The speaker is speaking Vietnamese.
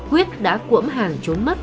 quyết đã cuộm hàng trốn mất